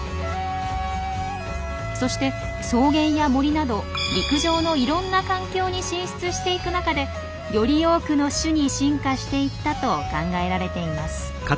そして草原や森など陸上のいろんな環境に進出していく中でより多くの種に進化していったと考えられています。